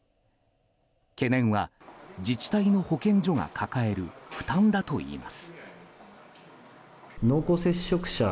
懸念は、自治体の保健所が抱える負担だといいます。